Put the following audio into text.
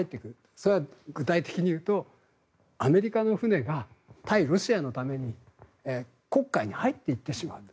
それは具体的に言うとアメリカの船が対ロシアのために黒海に入ってしまうと。